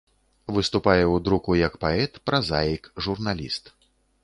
Выступае ў друку як паэт, празаік, журналіст.